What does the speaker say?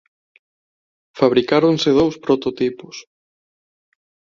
Fabricáronse dous prototipos.